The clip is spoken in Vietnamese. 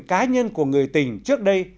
cá nhân của người tình trước đây